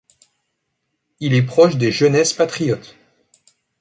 Il est proche des Jeunesses patriotes.